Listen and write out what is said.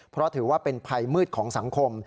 เพราะถือว่าเป็นภัยมืดของสังคม